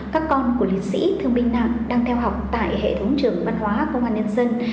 các con của liệt sĩ thương binh nặng đang theo học tại hệ thống trường văn hóa công an nhân dân